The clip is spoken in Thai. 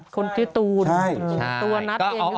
คนชื่อตูนตัวนัทเอง